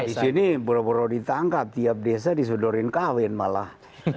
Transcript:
di sini buru buru ditangkap tiap desa disudorin kawin malah